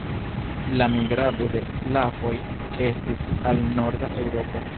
La migrado de slavoj estis al norda Eŭropo.